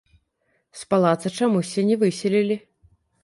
З палаца чамусьці не выселілі.